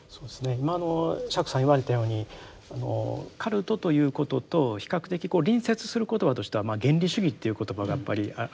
今の釈さん言われたようにカルトということと比較的隣接する言葉としては原理主義という言葉がやっぱりあると思うんですよね。